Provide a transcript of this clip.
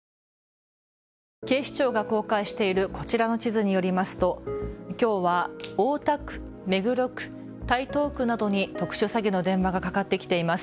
警視庁が公開しているこちらの地図によりますときょうは大田区、目黒区、台東区などに特殊詐欺の電話がかかってきています。